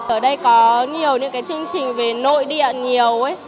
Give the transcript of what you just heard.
ở đây có nhiều những chương trình về nội địa nhiều